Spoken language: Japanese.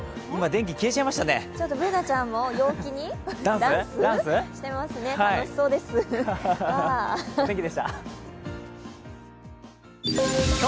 電気消えちゃいましたね。